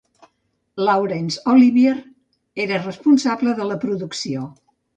Laurence Olivier era responsable de la producció.